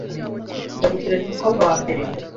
njya gutereta umukobwa wa mbere